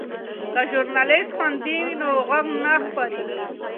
که ژورنالیست خوندي وي نو غږ نه خپیږي.